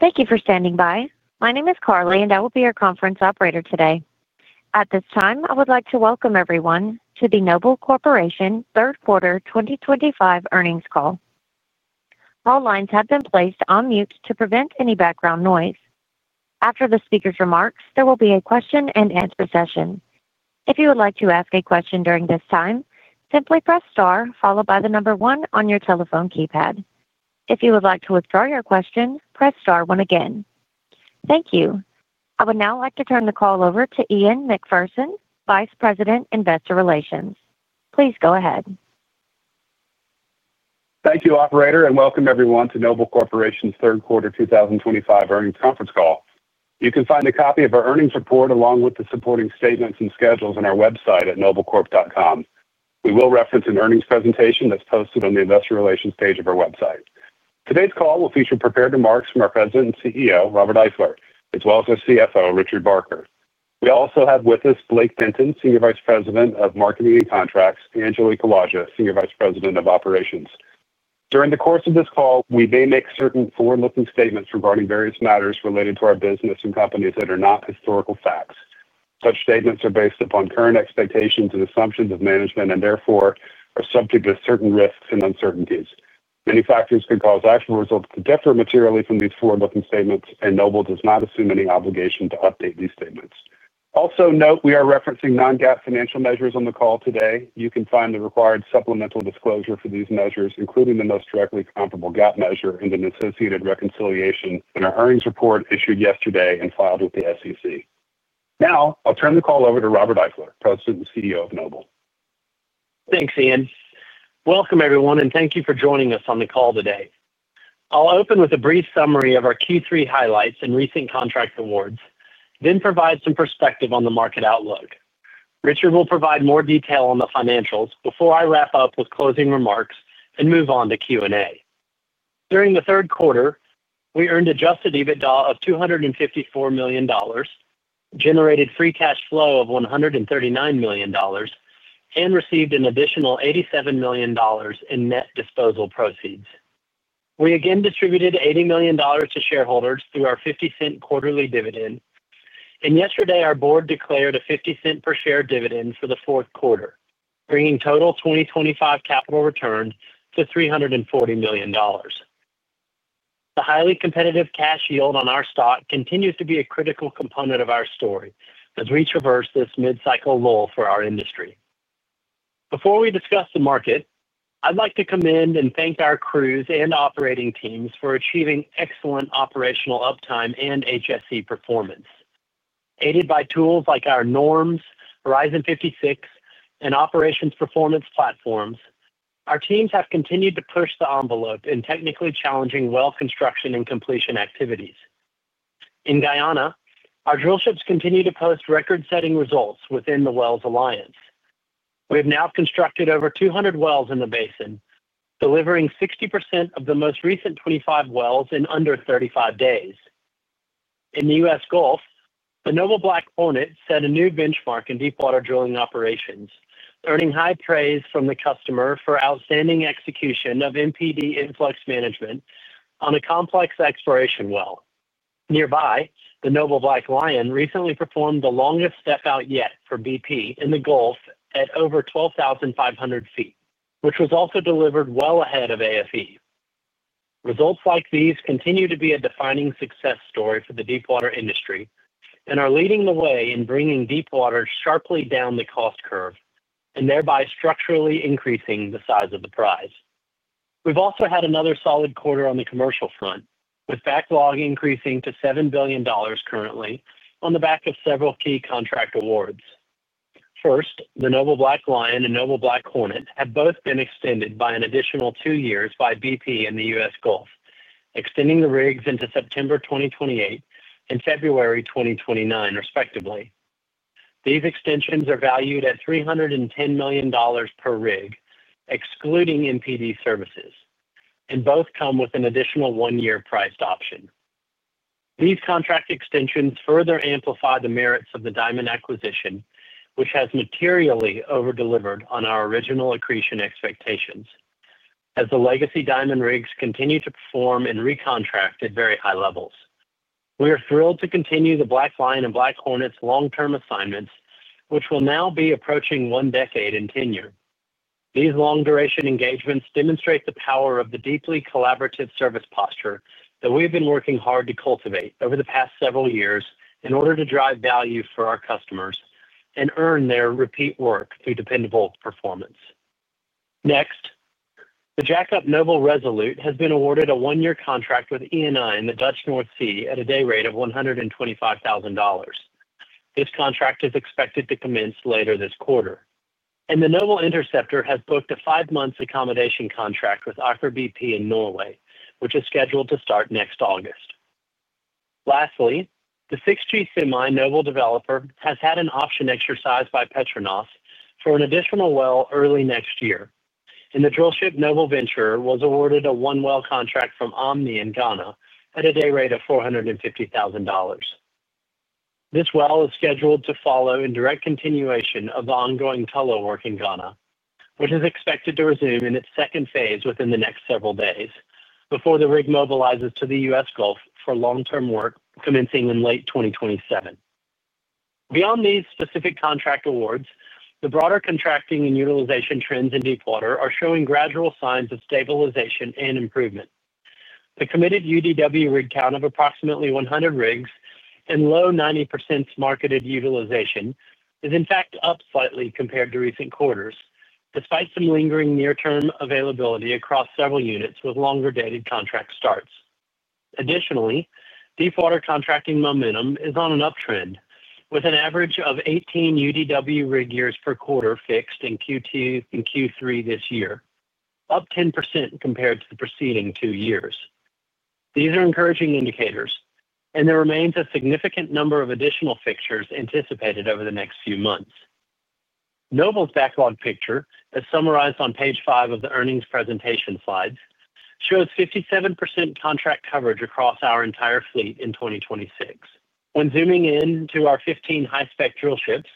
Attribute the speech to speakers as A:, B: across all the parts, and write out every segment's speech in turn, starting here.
A: Thank you for standing by. My name is Carly, and I will be your conference operator today. At this time, I would like to welcome everyone to the Noble Corporation Third Quarter 2025 Earnings Call. All lines have been placed on mute to prevent any background noise. After the speaker's remarks, there will be a question-and-answer session. If you would like to ask a question during this time, simply press star followed by the number one on your telephone keypad. If you would like to withdraw your question, press star one again. Thank you. I would now like to turn the call over to Ian Macpherson, Vice President, Investor Relations. Please go ahead.
B: Thank you, Operator, and welcome everyone to Noble Corporation's Third Quarter 2025 Earnings Conference Call. You can find a copy of our earnings report along with the supporting statements and schedules on our website at noblecorp.com. We will reference an earnings presentation that's posted on the Investor Relations page of our website. Today's call will feature prepared remarks from our President and CEO, Robert Eifler, as well as our CFO, Richard Barker. We also have with us Blake Denton, Senior Vice President of Marketing and Contracts, and Julie Kalaja, Senior Vice President of Operations. During the course of this call, we may make certain forward-looking statements regarding various matters related to our business and companies that are not historical facts. Such statements are based upon current expectations and assumptions of management and therefore are subject to certain risks and uncertainties. Many factors could cause actual results to differ materially from these forward-looking statements, and Noble does not assume any obligation to update these statements. Also, note we are referencing non-GAAP financial measures on the call today. You can find the required supplemental disclosure for these measures, including the most directly comparable GAAP measure and an associated reconciliation in our earnings report issued yesterday and filed with the SEC. Now, I'll turn the call over to Robert Eifler, President and CEO of Noble.
C: Thanks, Ian. Welcome, everyone, and thank you for joining us on the call today. I'll open with a brief summary of our Q3 highlights and recent contract awards, then provide some perspective on the market outlook. Richard will provide more detail on the financials before I wrap up with closing remarks and move on to Q&A. During the third quarter, we earned Adjusted EBITDA of $254 million, generated free cash flow of $139 million, and received an additional $87 million in net disposal proceeds. We again distributed $80 million to shareholders through our $0.50 quarterly dividend, and yesterday our board declared a $0.50 per share dividend for the fourth quarter, bringing total 2025 capital return to $340 million. The highly competitive cash yield on our stock continues to be a critical component of our story as we traverse this mid-cycle lull for our industry. Before we discuss the market, I'd like to commend and thank our crews and operating teams for achieving excellent operational uptime and HSE performance. Aided by tools like our NORMS, Horizon56, and operations performance platforms, our teams have continued to push the envelope in technically challenging well construction and completion activities. In Guyana, our drillships continue to post record-setting results within the Wells Alliance. We have now constructed over 200 wells in the basin, delivering 60% of the most recent 25 wells in under 35 days. In the U.S. Gulf, the Noble Black Hornet set a new benchmark in deepwater drilling operations, earning high praise from the customer for outstanding execution of MPD influx management on a complex exploration well. Nearby, the Noble Black Lion recently performed the longest step-out yet for BP in the Gulf at over 12,500 feet, which was also delivered well ahead of AFE. Results like these continue to be a defining success story for the deepwater industry and are leading the way in bringing deepwater sharply down the cost curve and thereby structurally increasing the size of the prize. We've also had another solid quarter on the commercial front, with backlog increasing to $7 billion currently on the back of several key contract awards. First, the Noble Black Lion and Noble Black Hornet have both been extended by an additional two years by BP in the U.S. Gulf, extending the rigs into September 2028 and February 2029, respectively. These extensions are valued at $310 million per rig, excluding MPD services, and both come with an additional one-year priced option. These contract extensions further amplify the merits of the Diamond Offshore Drilling acquisition, which has materially overdelivered on our original accretion expectations, as the legacy Diamond Offshore Drilling rigs continue to perform and recontract at very high levels. We are thrilled to continue the Noble Black Lion and Noble Black Hornet's long-term assignments, which will now be approaching one decade in tenure. These long-duration engagements demonstrate the power of the deeply collaborative service posture that we've been working hard to cultivate over the past several years in order to drive value for our customers and earn their repeat work through dependable performance. Next, the jackup Noble Resolute has been awarded a one-year contract with ENI in the Dutch North Sea at a day rate of $125,000. This contract is expected to commence later this quarter, and the Noble Interceptor has booked a five-month accommodation contract with Aker BP in Norway, which is scheduled to start next August. Lastly, the 6G semi, Noble Developer, has had an auction exercise by Petronas for an additional well early next year, and the drillship Noble Venturer was awarded a one-well contract from Omni in Ghana at a day rate of $450,000. This well is scheduled to follow in direct continuation of the ongoing Tullo work in Ghana, which is expected to resume in its second phase within the next several days before the rig mobilizes to the U.S. Gulf for long-term work commencing in late 2027. Beyond these specific contract awards, the broader contracting and utilization trends in deepwater are showing gradual signs of stabilization and improvement. The committed UDW rig count of approximately 100 rigs and low 90% marketed utilization is, in fact, up slightly compared to recent quarters, despite some lingering near-term availability across several units with longer-dated contract starts. Additionally, deepwater contracting momentum is on an uptrend, with an average of 18 UDW rig years per quarter fixed in Q2 and Q3 this year, up 10% compared to the preceding two years. These are encouraging indicators, and there remains a significant number of additional fixtures anticipated over the next few months. Noble's backlog picture, as summarized on page five of the earnings presentation slides, shows 57% contract coverage across our entire fleet in 2026. When zooming in to our 15 high-spec drillships,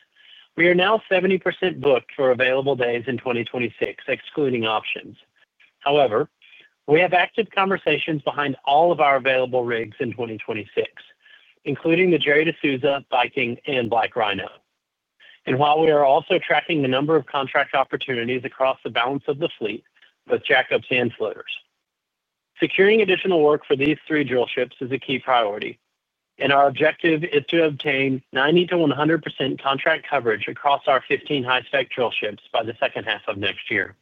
C: we are now 70% booked for available days in 2026, excluding auctions. However, we have active conversations behind all of our available rigs in 2026, including the Noble Viking and Noble Black Rhino. While we are also tracking the number of contract opportunities across the balance of the fleet, both jackups and floaters, securing additional work for these three drillships is a key priority, and our objective is to obtain 90%-100% contract coverage across our 15 high-spec drillships by the second half of next year.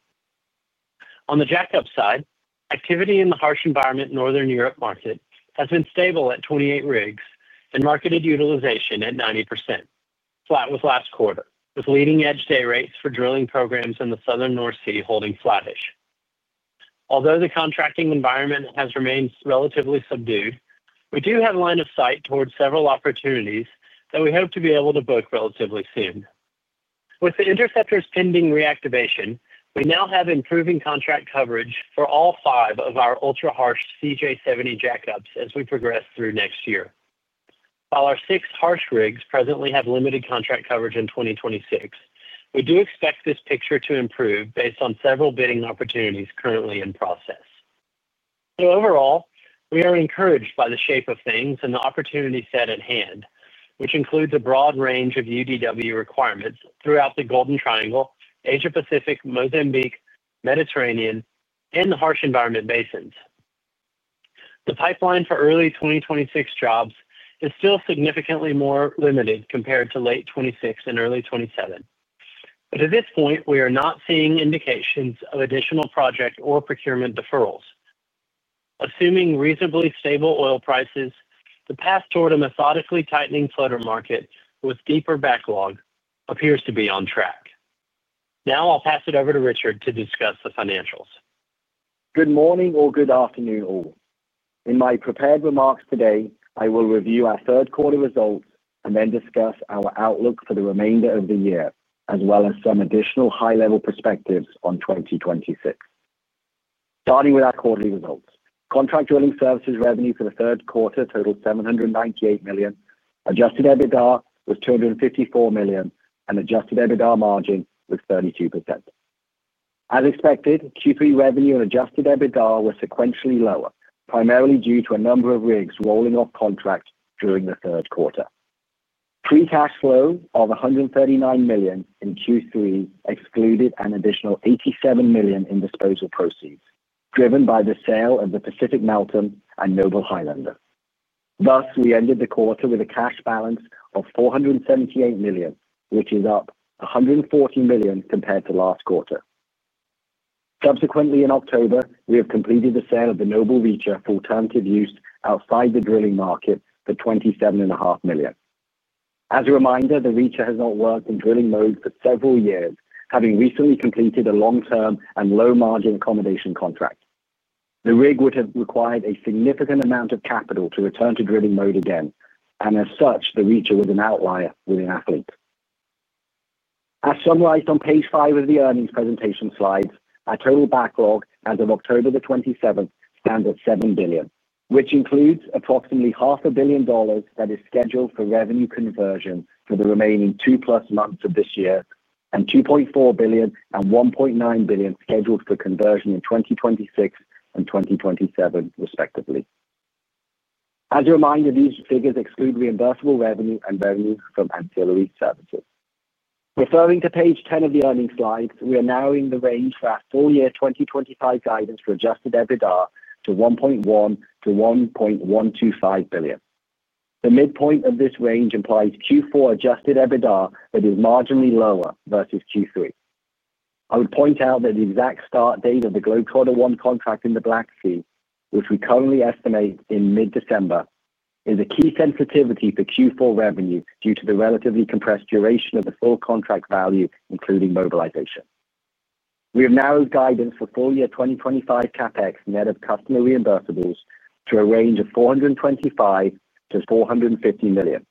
C: On the jackup side, activity in the harsh environment Northern Europe market has been stable at 28 rigs and marketed utilization at 90%, flat with last quarter, with leading-edge day rates for drilling programs in the Southern North Sea holding flattish. Although the contracting environment has remained relatively subdued, we do have line of sight towards several opportunities that we hope to be able to book relatively soon. With the Noble Interceptor's pending reactivation, we now have improving contract coverage for all five of our ultra-harsh CJ70 jackups as we progress through next year. While our six harsh rigs presently have limited contract coverage in 2026, we do expect this picture to improve based on several bidding opportunities currently in process. Overall, we are encouraged by the shape of things and the opportunity set at hand, which includes a broad range of UDW requirements throughout the Golden Triangle, Asia-Pacific, Mozambique, Mediterranean, and the harsh environment basins. The pipeline for early 2026 jobs is still significantly more limited compared to late 2026 and early 2027, but at this point, we are not seeing indications of additional project or procurement deferrals. Assuming reasonably stable oil prices, the path toward a methodically tightening floater market with deeper backlog appears to be on track. Now, I'll pass it over to Richard to discuss the financials.
D: Good morning or good afternoon all. In my prepared remarks today, I will review our third quarter results and then discuss our outlook for the remainder of the year, as well as some additional high-level perspectives on 2026. Starting with our quarterly results, contract drilling services revenue for the third quarter totaled $798 million. Adjusted EBITDA was $254 million, and Adjusted EBITDA margin was 32%. As expected, Q3 revenue and Adjusted EBITDA were sequentially lower, primarily due to a number of rigs rolling off contract during the third quarter. Free cash flow of $139 million in Q3 excluded an additional $87 million in disposal proceeds, driven by the sale of the Pacific Meltem and Noble Highlander. Thus, we ended the quarter with a cash balance of $478 million, which is up $140 million compared to last quarter. Subsequently, in October, we have completed the sale of the Noble Reacher for alternative use outside the drilling market for $27.5 million. As a reminder, the Reacher has not worked in drilling mode for several years, having recently completed a long-term and low-margin accommodation contract. The rig would have required a significant amount of capital to return to drilling mode again, and as such, the Reacher was an outlier within our fleet. As summarized on page five of the earnings presentation slides, our total backlog as of October 27 stands at $7 billion, which includes approximately half a billion dollars that is scheduled for revenue conversion for the remaining two plus months of this year, and $2.4 billion and $1.9 billion scheduled for conversion in 2026 and 2027, respectively. As a reminder, these figures exclude reimbursable revenue and revenue from ancillary services. Referring to page 10 of the earnings slides, we are narrowing the range for our full-year 2025 guidance for Adjusted EBITDA to $1.1 billion-$1.125 billion. The midpoint of this range implies Q4 Adjusted EBITDA that is marginally lower versus Q3. I would point out that the exact start date of the Globe Quarter One contract in the Black Sea, which we currently estimate in mid-December, is a key sensitivity for Q4 revenue due to the relatively compressed duration of the full contract value, including mobilization. We have narrowed guidance for full-year 2025 CapEx net of customer reimbursables to a range of $425 million-$450 million.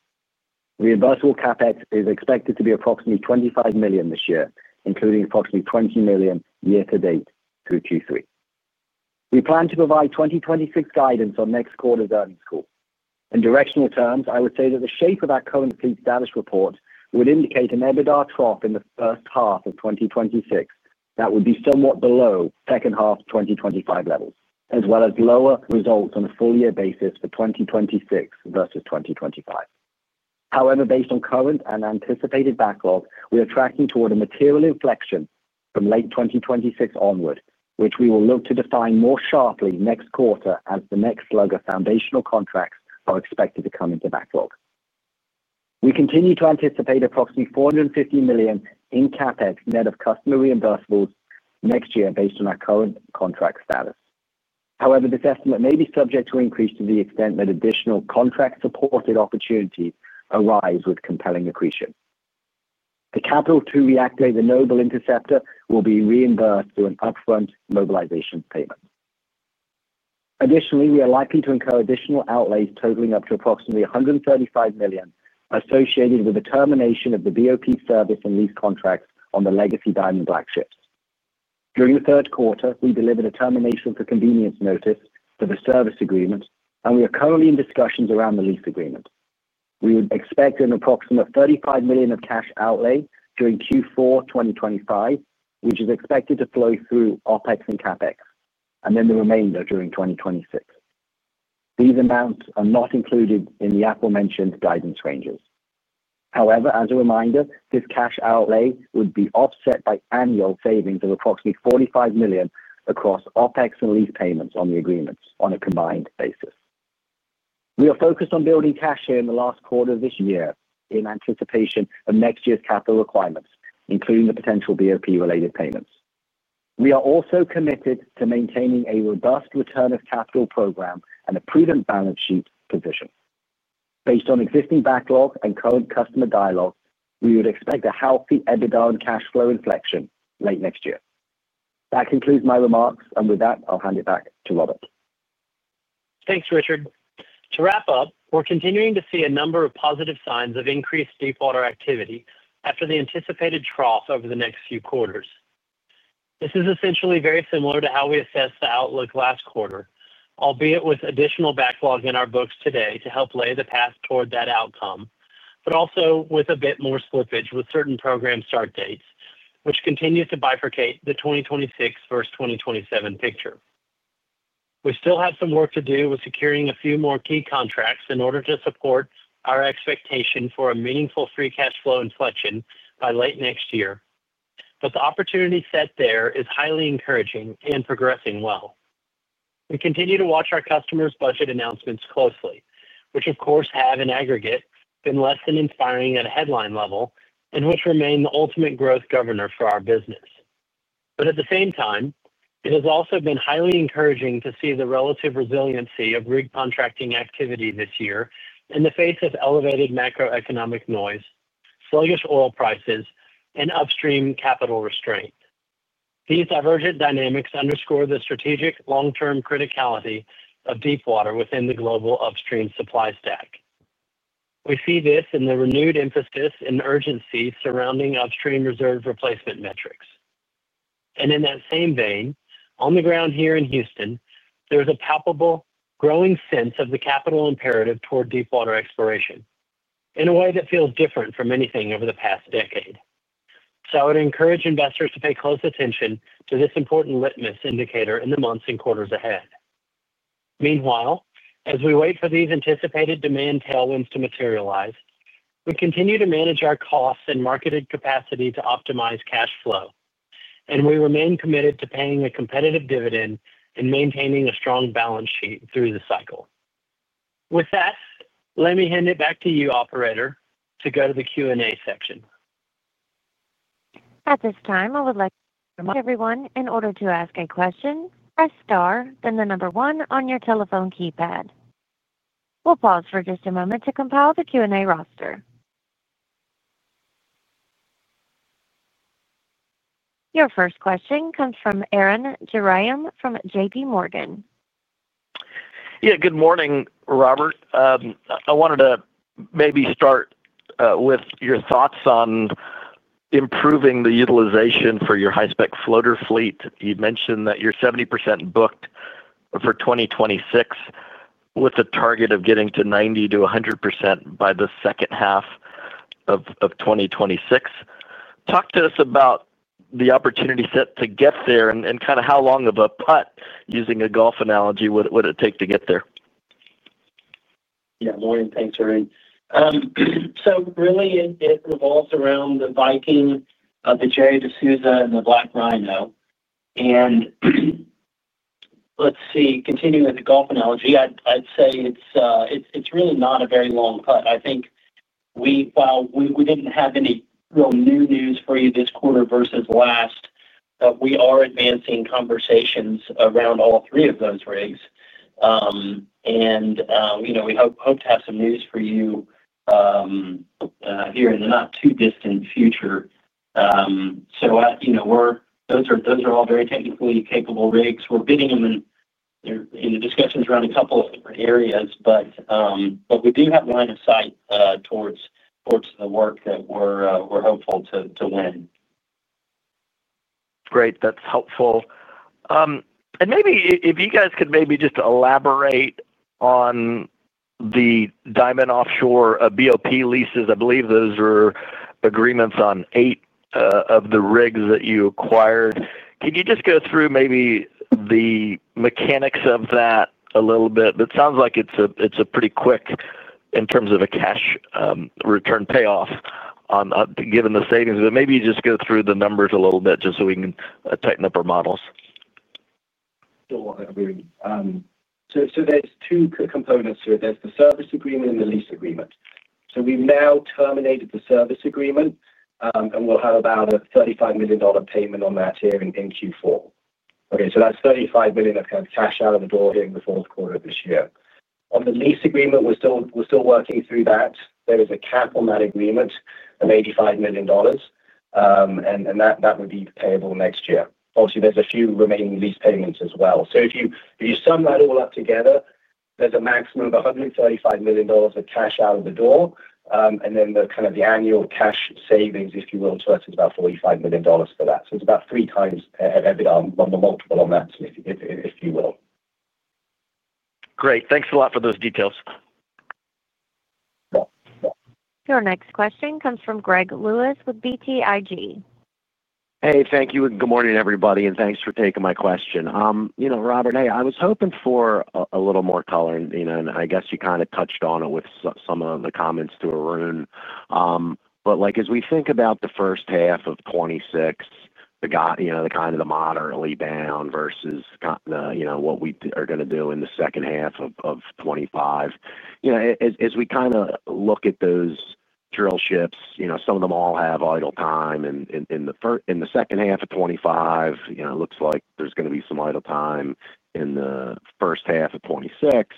D: Reimbursable CapEx is expected to be approximately $25 million this year, including approximately $20 million year to date through Q3. We plan to provide 2026 guidance on next quarter's earnings call. In directional terms, I would say that the shape of our current fleet status report would indicate an EBITDA trough in the first half of 2026 that would be somewhat below second half 2025 levels, as well as lower results on a full-year basis for 2026 versus 2025. However, based on current and anticipated backlog, we are tracking toward a material inflection from late 2026 onward, which we will look to define more sharply next quarter as the next slug of foundational contracts are expected to come into backlog. We continue to anticipate approximately $450 million in CapEx net of customer reimbursables next year based on our current contract status. However, this estimate may be subject to increase to the extent that additional contract-supported opportunities arise with compelling accretion. The capital to reactivate the Noble Interceptor will be reimbursed through an upfront mobilization payment. Additionally, we are likely to incur additional outlays totaling up to approximately $135 million associated with the termination of the BOP service and lease contracts on the legacy Diamond Offshore Drilling ships. During the third quarter, we delivered a termination for convenience notice for the service agreement, and we are currently in discussions around the lease agreement. We would expect an approximate $35 million of cash outlay during Q4 2025, which is expected to flow through OpEx and CapEx, and then the remainder during 2026. These amounts are not included in the aforementioned guidance ranges. However, as a reminder, this cash outlay would be offset by annual savings of approximately $45 million across OpEx and lease payments on the agreements on a combined basis. We are focused on building cash here in the last quarter of this year in anticipation of next year's capital requirements, including the potential BOP-related payments. We are also committed to maintaining a robust return of capital program and a prudent balance sheet position. Based on existing backlog and current customer dialogue, we would expect a healthy EBITDA and cash flow inflection late next year. That concludes my remarks, and with that, I'll hand it back to Robert.
C: Thanks, Richard. To wrap up, we're continuing to see a number of positive signs of increased deepwater activity after the anticipated trough over the next few quarters. This is essentially very similar to how we assessed the outlook last quarter, albeit with additional backlog in our books today to help lay the path toward that outcome, but also with a bit more slippage with certain program start dates, which continue to bifurcate the 2026 versus 2027 picture. We still have some work to do with securing a few more key contracts in order to support our expectation for a meaningful free cash flow inflection by late next year, but the opportunity set there is highly encouraging and progressing well. We continue to watch our customers' budget announcements closely, which of course have in aggregate been less than inspiring at a headline level and which remain the ultimate growth governor for our business. At the same time, it has also been highly encouraging to see the relative resiliency of rig contracting activity this year in the face of elevated macroeconomic noise, sluggish oil prices, and upstream capital restraint. These divergent dynamics underscore the strategic long-term criticality of deepwater within the global upstream supply stack. We see this in the renewed emphasis and urgency surrounding upstream reserve replacement metrics. In that same vein, on the ground here in Houston, there's a palpable growing sense of the capital imperative toward deepwater exploration in a way that feels different from anything over the past decade. I would encourage investors to pay close attention to this important litmus indicator in the months and quarters ahead. Meanwhile, as we wait for these anticipated demand tailwinds to materialize, we continue to manage our costs and marketed capacity to optimize cash flow, and we remain committed to paying a competitive dividend and maintaining a strong balance sheet through the cycle. With that, let me hand it back to you, Operator, to go to the Q&A section.
A: At this time, I would like to remind everyone, in order to ask a question, press star then the number one on your telephone keypad. We'll pause for just a moment to compile the Q&A roster. Your first question comes from Arun Jayaram from JPMorgan.
E: Yeah, good morning, Robert. I wanted to maybe start with your thoughts on improving the utilization for your high-spec floater fleet. You mentioned that you're 70% booked for 2026 with a target of getting to 90%-100% by the second half of 2026. Talk to us about the opportunity set to get there and kind of how long of a putt, using a golf analogy, would it take to get there?
C: Yeah, morning. Thanks, Arun. It really revolves around the Noble Viking, the Jerry DeSouza, and the Black Rhino. Continuing with the golf analogy, I'd say it's really not a very long putt. While we didn't have any real new news for you this quarter versus last, we are advancing conversations around all three of those rigs. We hope to have some news for you here in the not too distant future. Those are all very technically capable rigs. We're bidding them in, they're in the discussions around a couple of different areas, but we do have line of sight towards the work that we're hopeful to win.
E: Great. That's helpful. Maybe if you guys could just elaborate on the Diamond Offshore BOP leases. I believe those are agreements on eight of the rigs that you acquired. Can you just go through maybe the mechanics of that a little bit? It sounds like it's a pretty quick, in terms of a cash return payoff given the savings, but maybe you just go through the numbers a little bit just so we can tighten up our models.
C: Sure, I agree. There are two components here. There's the service agreement and the lease agreement. We've now terminated the service agreement, and we'll have about a $35 million payment on that here in Q4. That's $35 million of cash out of the door here in the fourth quarter of this year. On the lease agreement, we're still working through that. There is a cap on that agreement of $85 million, and that would be payable next year. Obviously, there are a few remaining lease payments as well. If you sum that all up together, there's a maximum of $135 million of cash out of the door, and then the annual cash savings, if you will, to us is about $45 million for that. It's about three times an EBITDA on the multiple on that, if you will.
E: Great. Thanks a lot for those details.
A: Your next question comes from Greg Lewis with BTIG.
F: Hey, thank you. Good morning, everybody, and thanks for taking my question. Robert, I was hoping for a little more color, and I guess you kind of touched on it with some of the comments to Arun. As we think about the first half of 2026, the kind of the moderately bound versus what we are going to do in the second half of 2025, as we kind of look at those drillships, some of them all have idle time. In the second half of 2025, it looks like there's going to be some idle time in the first half of 2026.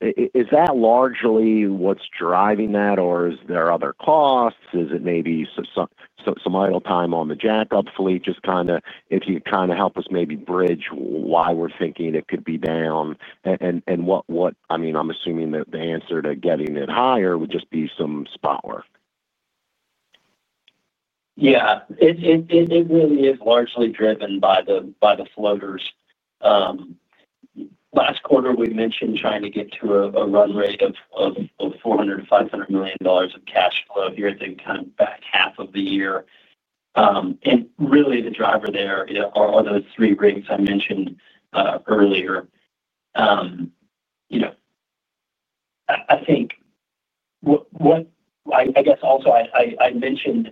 F: Is that largely what's driving that, or are there other costs? Is it maybe some idle time on the jackup fleet? If you could help us maybe bridge why we're thinking it could be down, and what, I mean, I'm assuming that the answer to getting it higher would just be some spot work.
C: Yeah, it really is largely driven by the floaters. Last quarter, we mentioned trying to get to a run rate of $400 million-$500 million of cash flow here at the kind of back half of the year. Really, the driver there are those three rigs I mentioned earlier. I think what I also mentioned,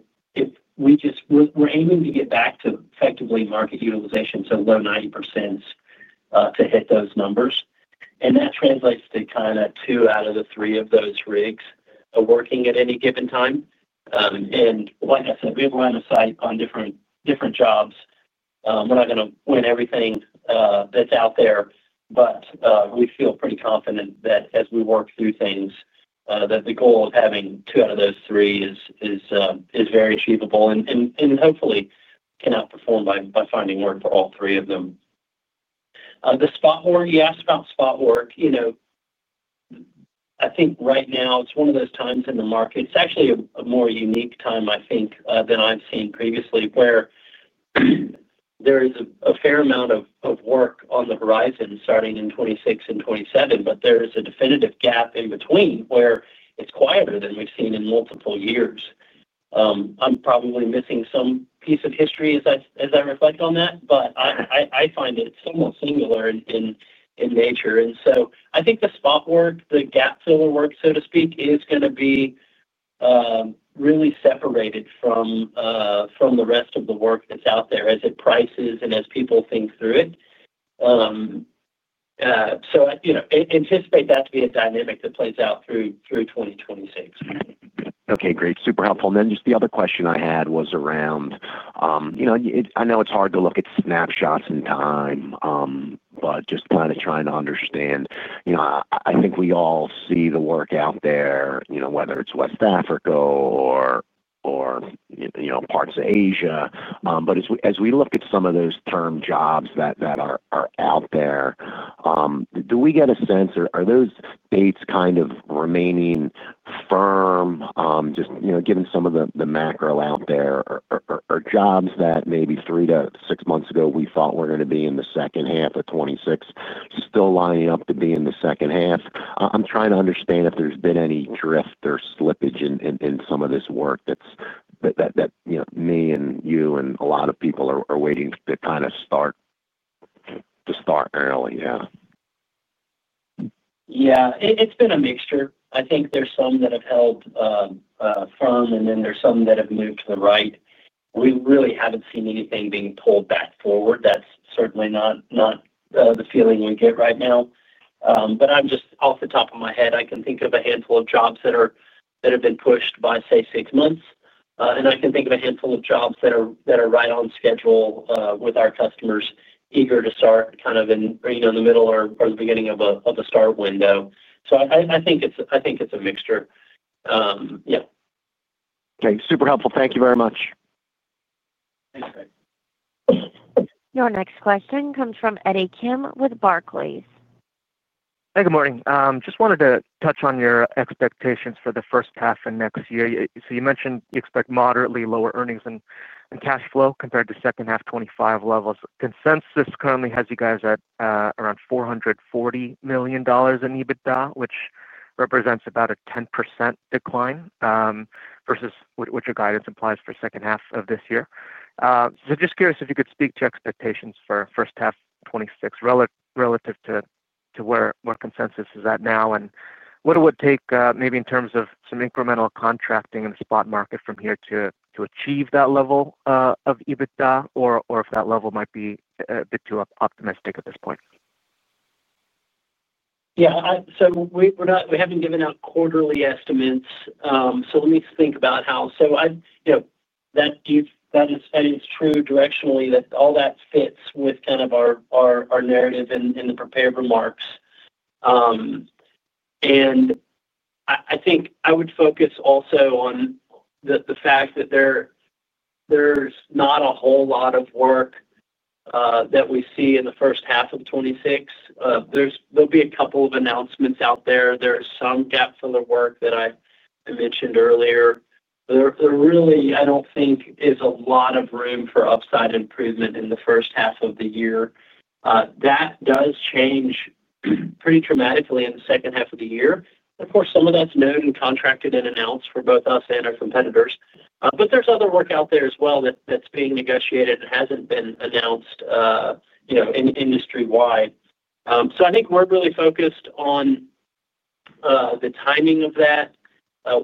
C: we're aiming to get back to effectively market utilization, so low 90%, to hit those numbers. That translates to kind of two out of the three of those rigs working at any given time. Like I said, we have a line of sight on different jobs. We're not going to win everything that's out there, but we feel pretty confident that as we work through things, the goal of having two out of those three is very achievable and hopefully can outperform by finding work for all three of them. The spot work, you asked about spot work. I think right now it's one of those times in the market. It's actually a more unique time, I think, than I've seen previously, where there is a fair amount of work on the horizon starting in 2026 and 2027, but there is a definitive gap in between where it's quieter than we've seen in multiple years. I'm probably missing some piece of history as I reflect on that, but I find it's almost singular in nature. I think the spot work, the gap filler work, so to speak, is going to be really separated from the rest of the work that's out there as it prices and as people think through it. I anticipate that to be a dynamic that plays out through 2026.
F: Okay, great. Super helpful. The other question I had was around, you know, I know it's hard to look at snapshots in time, but just kind of trying to understand, you know, I think we all see the work out there, whether it's West Africa or parts of Asia. As we look at some of those term jobs that are out there, do we get a sense or are those dates kind of remaining firm, just given some of the macro out there? Or jobs that maybe three to six months ago we thought were going to be in the second half of 2026 still lining up to be in the second half? I'm trying to understand if there's been any drift or slippage in some of this work that, you know, me and you and a lot of people are waiting to kind of start early, yeah.
C: Yeah, it's been a mixture. I think there's some that have held firm, and then there's some that have moved to the right. We really haven't seen anything being pulled back forward. That's certainly not the feeling we get right now. I can think of a handful of jobs that have been pushed by, say, six months, and I can think of a handful of jobs that are right on schedule, with our customers eager to start in the middle or the beginning of a start window. I think it's a mixture. Yeah.
F: Okay, super helpful. Thank you very much.
C: Thanks, Greg.
A: Your next question comes from Eddie Kim with Barclays.
G: Hey, good morning. I just wanted to touch on your expectations for the first half in next year. You mentioned you expect moderately lower earnings and cash flow compared to second half 2025 levels. Consensus currently has you guys at around $440 million in EBITDA, which represents about a 10% decline versus what your guidance implies for the second half of this year. I am just curious if you could speak to expectations for first half 2026 relative to where consensus is at now and what it would take, maybe in terms of some incremental contracting in the spot market from here to achieve that level of EBITDA or if that level might be a bit too optimistic at this point.
C: Yeah, we haven't given out quarterly estimates. Let me think about how, you know, that is Eddie's true directionally that all that fits with kind of our narrative in the prepared remarks. I think I would focus also on the fact that there's not a whole lot of work that we see in the first half of 2026. There'll be a couple of announcements out there. There's some gap filler work that I mentioned earlier. I don't think there is a lot of room for upside improvement in the first half of the year. That does change pretty dramatically in the second half of the year. Of course, some of that's known and contracted and announced for both us and our competitors. There's other work out there as well that's being negotiated and hasn't been announced industry-wide. I think we're really focused on the timing of that.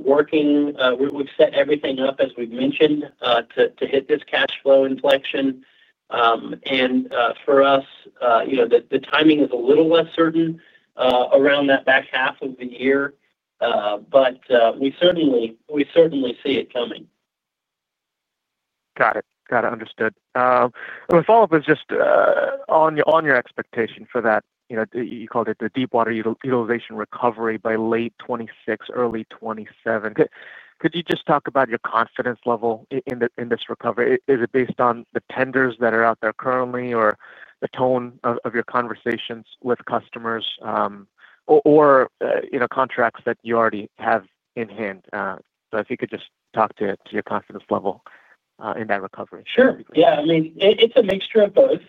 C: We've set everything up, as we've mentioned, to hit this cash flow inflection. For us, the timing is a little less certain around that back half of the year, but we certainly see it coming.
G: Got it. Understood. My follow-up is just on your expectation for that, you know, you called it the deepwater utilization recovery by late 2026, early 2027. Could you just talk about your confidence level in this recovery? Is it based on the tenders that are out there currently or the tone of your conversations with customers, or contracts that you already have in hand? If you could just talk to your confidence level in that recovery.
C: Sure. Yeah, I mean, it's a mixture of both.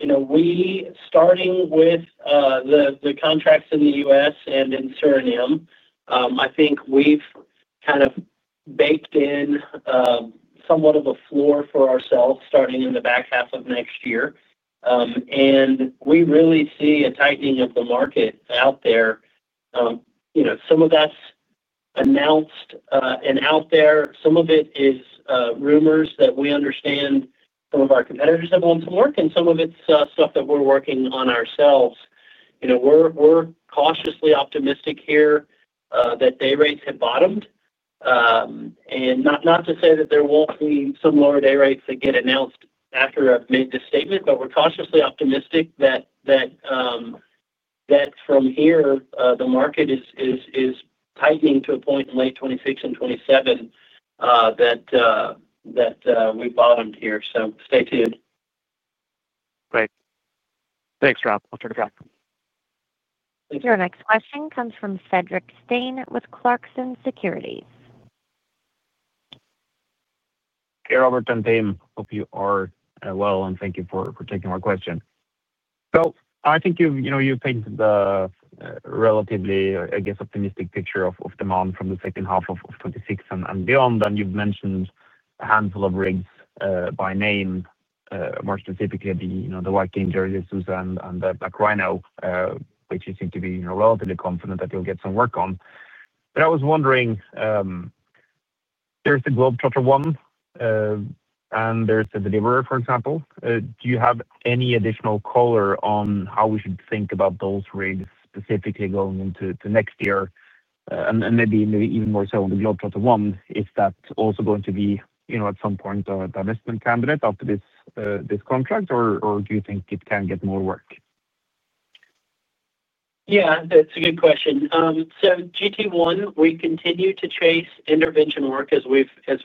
C: You know, starting with the contracts in the U.S. and in Suriname, I think we've kind of baked in somewhat of a floor for ourselves starting in the back half of next year, and we really see a tightening of the market out there. Some of that's announced and out there. Some of it is rumors that we understand some of our competitors have on some work, and some of it's stuff that we're working on ourselves. We're cautiously optimistic here that day rates have bottomed. Not to say that there won't be some lower day rates that get announced after I've made this statement, but we're cautiously optimistic that from here, the market is tightening to a point in late 2026 and 2027 that we've bottomed here. Stay tuned.
G: Great. Thanks, Rob. I'll turn it back.
C: Thank you.
A: Your next question comes from Fredrik Stene with Clarkson Securities.
H: Hey, Robert and team. Hope you are well, and thank you for taking our question. I think you've painted the, relatively, I guess, optimistic picture of demand from the second half of 2026 and beyond. You've mentioned a handful of rigs by name, more specifically the Viking, Jerry DeSouza, and the Black Rhino, which you seem to be relatively confident that you'll get some work on. I was wondering, there's the Globe Quarter One, and there's the Deliverer, for example. Do you have any additional color on how we should think about those rigs specifically going into next year? Maybe even more so on the Globe Quarter One, is that also going to be, at some point, a divestment candidate after this contract, or do you think it can get more work?
C: Yeah, that's a good question. GT1, we continue to chase intervention work, as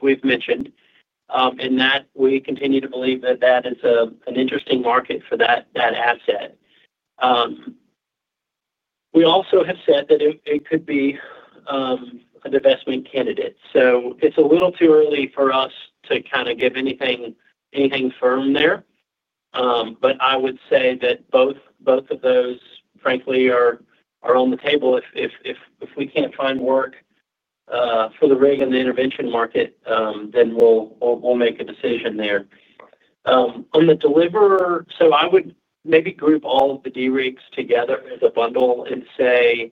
C: we've mentioned, and we continue to believe that is an interesting market for that asset. We also have said that it could be a divestment candidate. It's a little too early for us to give anything firm there, but I would say that both of those, frankly, are on the table. If we can't find work for the rig in the intervention market, then we'll make a decision there. On the Deliverer, I would maybe group all of the D rigs together as a bundle and say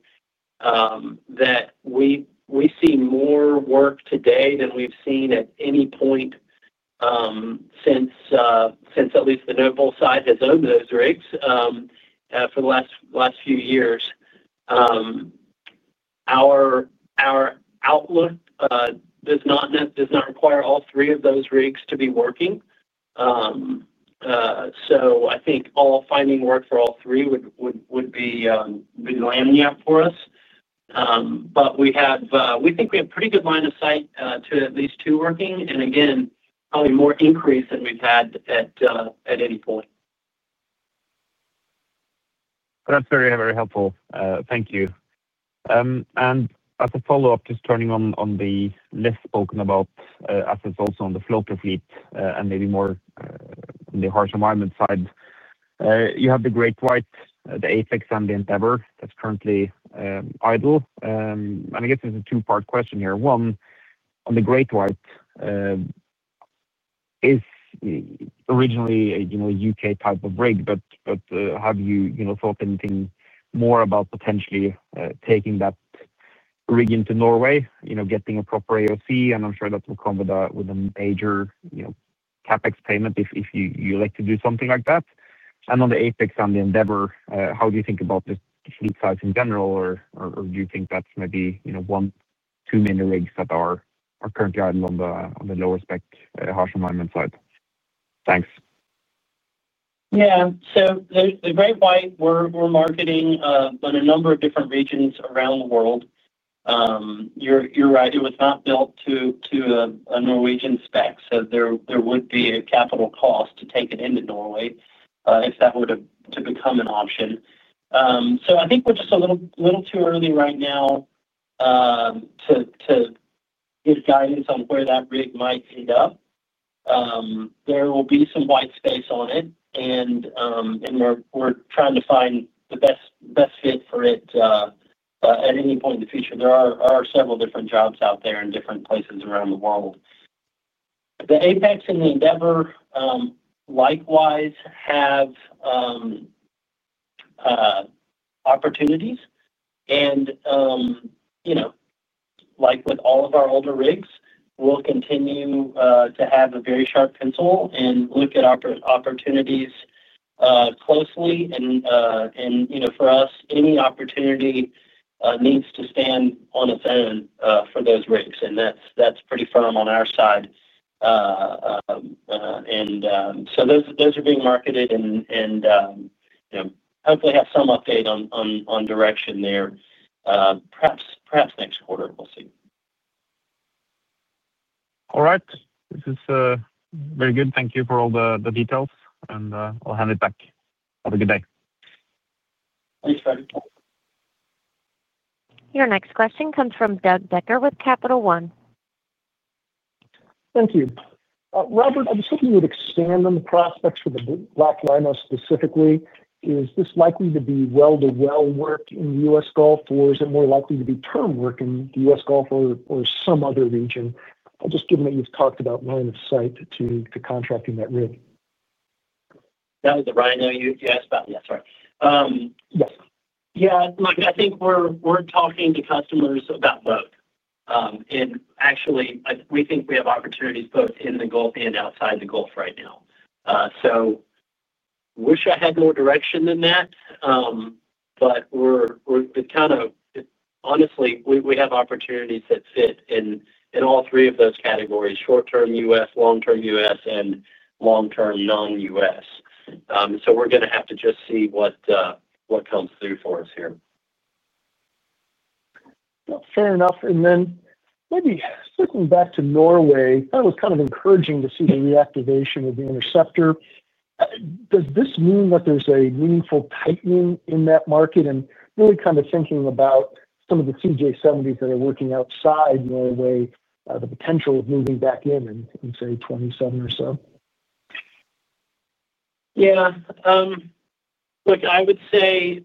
C: that we see more work today than we've seen at any point since at least the Noble side has owned those rigs for the last few years. Our outlook does not require all three of those rigs to be working. I think finding work for all three would be lapping out for us, but we think we have a pretty good line of sight to at least two working, and again, probably more increase than we've had at any point.
H: That's very, very helpful. Thank you. Just turning on the less spoken about assets also on the floater fleet, and maybe more on the harsh environment side. You have the Great White, the Apex, and the Endeavor that's currently idle. I guess there's a two-part question here. One, on the Great White, is originally a, you know, a U.K. type of rig, but have you thought anything more about potentially taking that rig into Norway, you know, getting a proper AOC, and I'm sure that will come with a major, you know, CapEx payment if you like to do something like that. On the Apex and the Endeavor, how do you think about the fleet size in general, or do you think that's maybe, you know, one too many rigs that are currently idle on the lower spec, harsh environment side? Thanks.
C: Yeah. The Great White, we're marketing in a number of different regions around the world. You're right. It was not built to a Norwegian spec, so there would be a capital cost to take it into Norway if that were to become an option. I think we're just a little too early right now to give guidance on where that rig might end up. There will be some white space on it, and we're trying to find the best fit for it at any point in the future. There are several different jobs out there in different places around the world. The Apex and the Endeavor likewise have opportunities. You know, like with all of our older rigs, we'll continue to have a very sharp pencil and look at opportunities closely. For us, any opportunity needs to stand on its own for those rigs. That's pretty firm on our side. Those are being marketed, and hopefully have some update on direction there, perhaps next quarter, we'll see.
H: All right. This is very good. Thank you for all the details, and I'll hand it back. Have a good day.
C: Thanks, Freddie.
A: Your next question comes from Douglas Lee Becker with Capital One.
I: Thank you. Robert, I was hoping you would expand on the prospects for the Black Rhino specifically. Is this likely to be well-to-well work in the U.S. Gulf, or is it more likely to be term work in the U.S. Gulf or some other region? I'll just, given that you've talked about line of sight to contracting that rig.
C: That was the Rhino you asked about? Yeah, sorry.
I: Yes.
C: Yeah. Look, I think we're talking to customers about both. We think we have opportunities both in the Gulf and outside the Gulf right now. I wish I had more direction than that. We have opportunities that fit in all three of those categories: short-term U.S., long-term U.S., and long-term non-U.S. We're going to have to just see what comes through for us here.
I: Fair enough. Maybe circling back to Norway, that was kind of encouraging to see the reactivation of the Noble Interceptor. Does this mean that there's a meaningful tightening in that market? Really kind of thinking about some of the CJ70s that are working outside Norway, the potential of moving back in, say, 2027 or so?
C: Yeah, look, I would say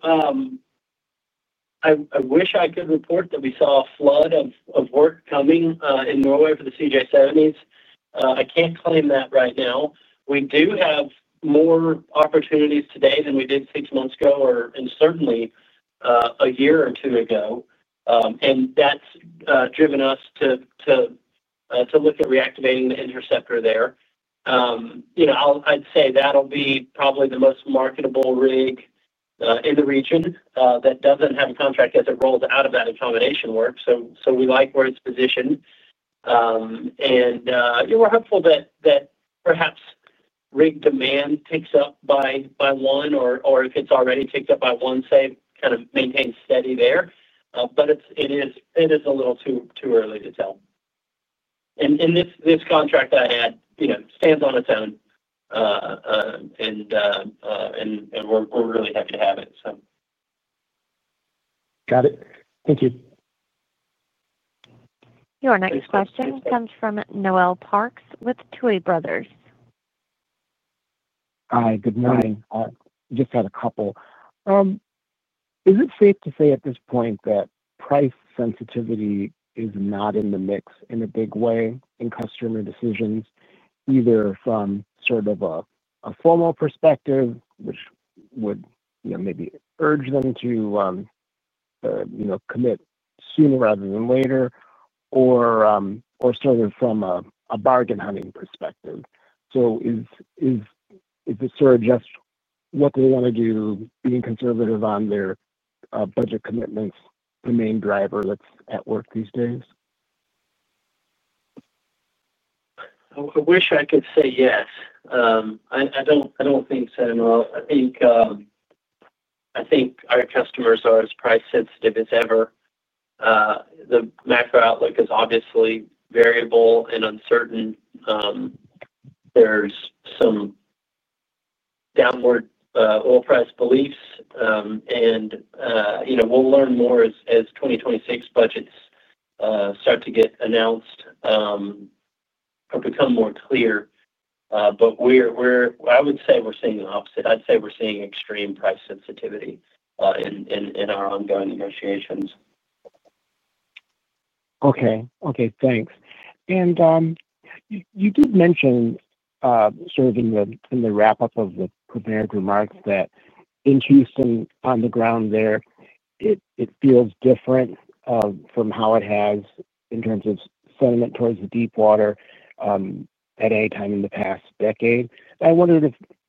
C: I wish I could report that we saw a flood of work coming in Norway for the CJ70s. I can't claim that right now. We do have more opportunities today than we did six months ago or certainly a year or two ago, and that's driven us to look at reactivating the Interceptor there. I'd say that'll be probably the most marketable rig in the region that doesn't have a contract as it rolls out of that accommodation work. We like where it's positioned, and we're hopeful that perhaps rig demand ticks up by one, or if it's already ticked up by one, kind of maintains steady there. It is a little too early to tell. This contract I had stands on its own, and we're really happy to have it.
I: Got it. Thank you.
A: Your next question comes from Noel Augustus Parks with Tuohy Brothers.
J: Hi, good morning. I just had a couple. Is it safe to say at this point that price sensitivity is not in the mix in a big way in customer decisions, either from sort of a formal perspective, which would, you know, maybe urge them to, you know, commit sooner rather than later, or from a bargain-hunting perspective? Is it just what they want to do, being conservative on their budget commitments the main driver that's at work these days?
C: I wish I could say yes. I don't think so. No, I think our customers are as price-sensitive as ever. The macro outlook is obviously variable and uncertain. There's some downward oil price beliefs, and we'll learn more as 2026 budgets start to get announced or become more clear. We're, I would say, seeing the opposite. I'd say we're seeing extreme price sensitivity in our ongoing negotiations.
J: Okay. Thanks. You did mention, in the wrap-up of the prepared remarks that in Houston, on the ground there, it feels different from how it has in terms of sentiment towards the deepwater at any time in the past decade. I wondered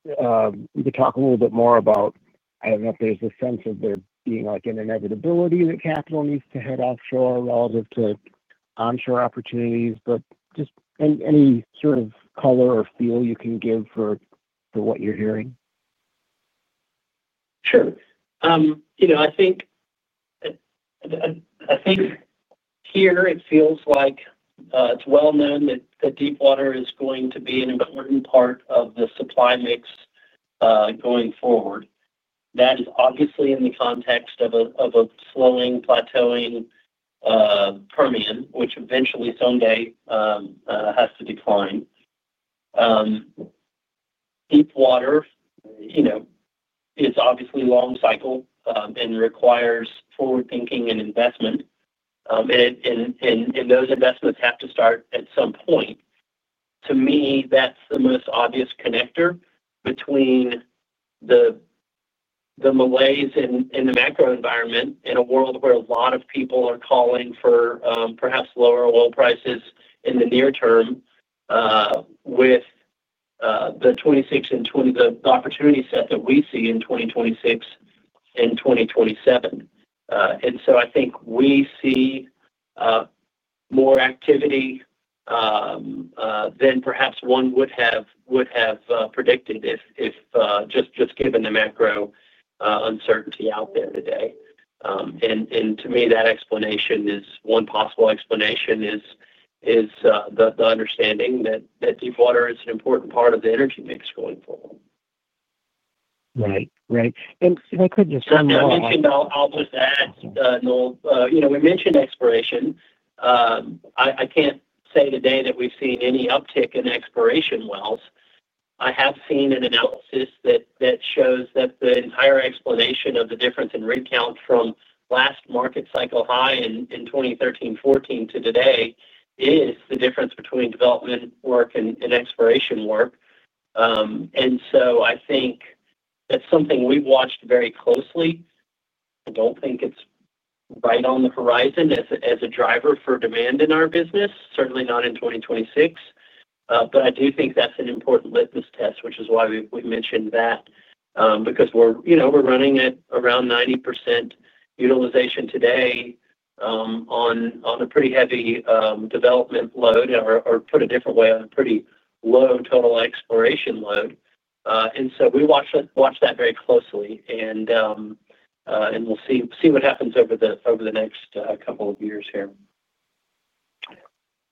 J: if we could talk a little bit more about, I don't know if there's a sense of there being like an inevitability that capital needs to head offshore relative to onshore opportunities, but just any color or feel you can give for what you're hearing?
C: Sure. I think here it feels like it's well known that deepwater is going to be an important part of the supply mix going forward. That is obviously in the context of a slowing, plateauing Permian, which eventually someday has to decline. Deepwater is obviously long-cycle and requires forward thinking and investment, and those investments have to start at some point. To me, that's the most obvious connector between the malaise in the macro environment in a world where a lot of people are calling for perhaps lower oil prices in the near term, with the 2026 and 2027 opportunity set that we see. I think we see more activity than perhaps one would have predicted just given the macro uncertainty out there today. To me, one possible explanation is the understanding that deepwater is an important part of the energy mix going forward.
J: Right. If I could just.
C: I'll just add, you know, we mentioned exploration. I can't say today that we've seen any uptick in exploration wells. I have seen an analysis that shows that the entire explanation of the difference in rig count from last market cycle high in 2013-2014 to today is the difference between development work and exploration work. I think that's something we've watched very closely. I don't think it's right on the horizon as a driver for demand in our business, certainly not in 2026. I do think that's an important litmus test, which is why we mentioned that, because we're running at around 90% utilization today, on a pretty heavy development load or, put a different way, on a pretty low total exploration load. We watch that very closely, and we'll see what happens over the next couple of years here.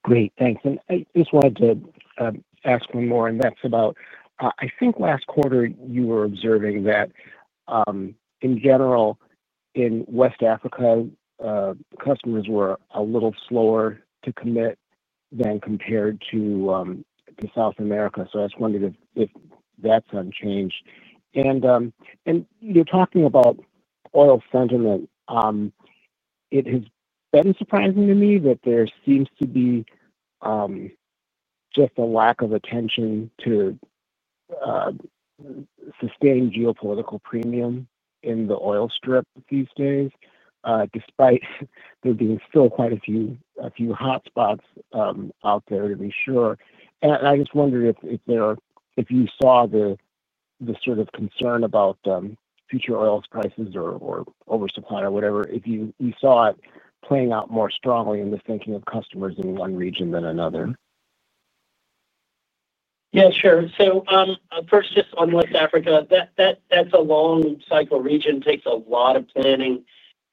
J: Great. Thanks. I just wanted to ask one more, and that's about, I think last quarter you were observing that, in general, in West Africa, customers were a little slower to commit compared to South America. I just wondered if that's unchanged. You're talking about oil sentiment. It has been surprising to me that there seems to be just a lack of attention to sustained geopolitical premium in the oil strip these days, despite there being still quite a few hotspots out there to be sure. I just wondered if you saw the sort of concern about future oil prices or oversupply or whatever, if you saw it playing out more strongly in the thinking of customers in one region than another.
C: Yeah, sure. First, just on West Africa, that's a long cycle region. It takes a lot of planning.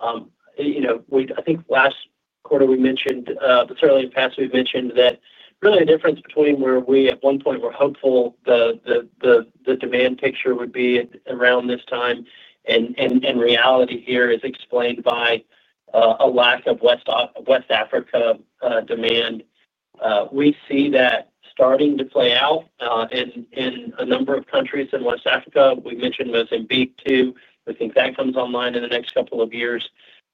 C: I think last quarter we mentioned, but certainly in the past, we've mentioned that really the difference between where we at one point were hopeful the demand picture would be around this time, and reality here is explained by a lack of West Africa demand. We see that starting to play out in a number of countries in West Africa. We mentioned Mozambique too. We think that comes online in the next couple of years.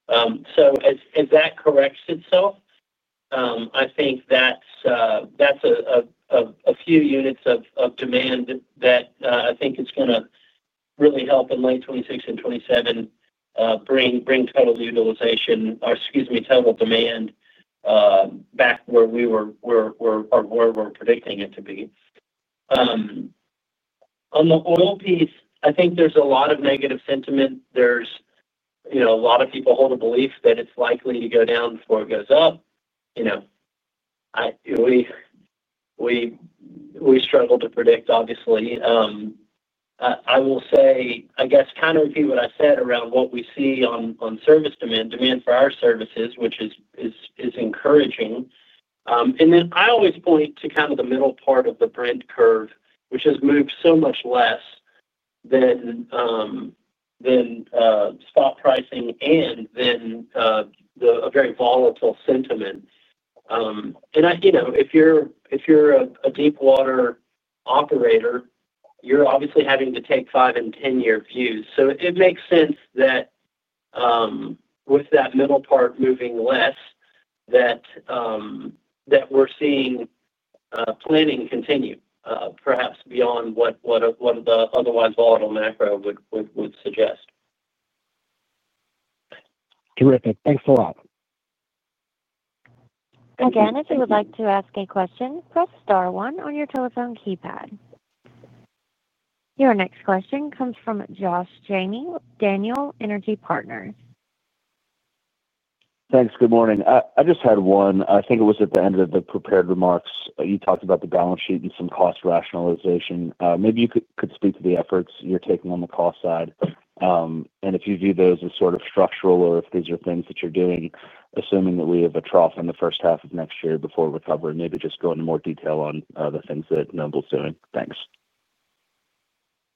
C: As that corrects itself, I think that's a few units of demand that I think is going to really help in late 2026 and 2027, bring total utilization or, excuse me, total demand, back to where we were or where we're predicting it to be. On the oil piece, I think there's a lot of negative sentiment. There's a lot of people hold a belief that it's likely to go down before it goes up. We struggle to predict, obviously. I will say, I guess, kind of repeat what I said around what we see on service demand, demand for our services, which is encouraging. I always point to kind of the middle part of the Brent curve, which has moved so much less than spot pricing and the very volatile sentiment. If you're a deepwater operator, you're obviously having to take 5 and 10-year views. It makes sense that, with that middle part moving less, we're seeing planning continue, perhaps beyond what the otherwise volatile macro would suggest.
J: Terrific. Thanks a lot.
A: Again, if you would like to ask a question, press star one on your telephone keypad. Your next question comes from Josh Jayne, Daniel Energy Partners.
K: Thanks. Good morning. I just had one. I think it was at the end of the prepared remarks. You talked about the balance sheet and some cost rationalization. Maybe you could speak to the efforts you're taking on the cost side, and if you view those as sort of structural or if these are things that you're doing, assuming that we have a trough in the first half of next year before recovery. Maybe just go into more detail on the things that Noble's doing. Thanks.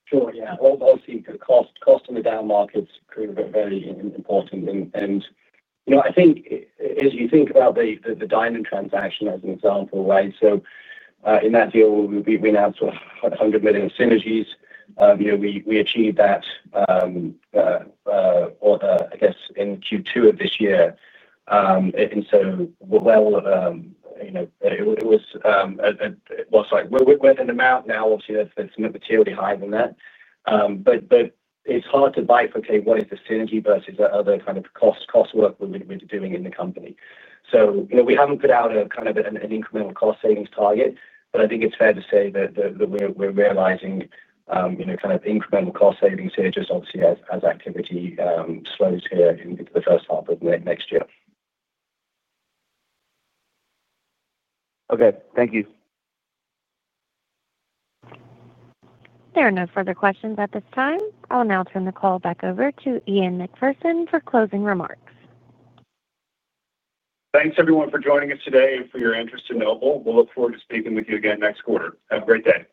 C: Sure. Yeah. Obviously, cost in the down markets are very important, and, you know, I think as you think about the Diamond Offshore Drilling transaction as an example, right? In that deal, we announced $100 million synergies. You know, we achieved that, I guess, in Q2 of this year, and it's like we're at an amount now, obviously, that's materially higher than that, but it's hard to bifurcate what is the synergy versus the other kind of cost work we're doing in the company. You know, we haven't put out a kind of an incremental cost savings target, but I think it's fair to say that we're realizing kind of incremental cost savings here just obviously as activity slows here in the first half of next year.
K: Okay. Thank you.
A: There are no further questions at this time. I will now turn the call back over to Ian Macpherson for closing remarks.
B: Thanks, everyone, for joining us today and for your interest in Noble. We'll look forward to speaking with you again next quarter. Have a great day.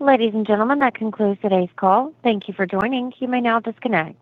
A: Ladies and gentlemen, that concludes today's call. Thank you for joining. You may now disconnect.